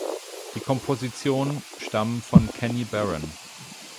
Die Kompositionen stammen von Kenny Barron.